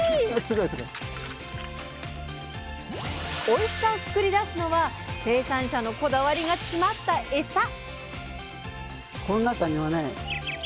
おいしさを作り出すのは生産者のこだわりが詰まったエサ！